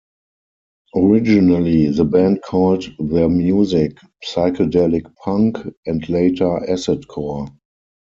Originally the band called their music "Psychedelic Punk" and later "Acid Core".